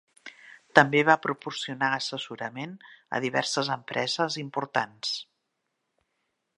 També va proporcionar assessorament a diverses empreses importants.